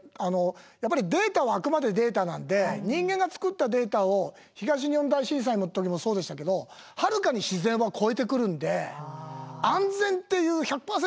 やっぱりデータはあくまでデータなんで人間が作ったデータを東日本大震災の時もそうでしたけどはるかに自然は超えてくるんで安全っていう１００％